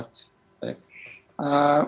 kita tidak berbeda dengan dunia umum